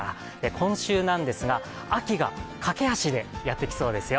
今週なんですが、秋が駆け足でやってきそうですよ。